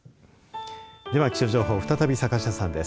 では、気象情報再び坂下さんです。